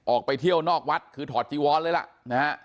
ออกไปเที่ยวนอกวัดคือถอดจีวอนเลยล่ะนะฮะ